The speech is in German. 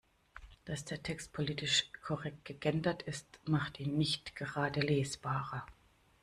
Dass der Text politisch korrekt gegendert ist, macht ihn nicht gerade lesbarer.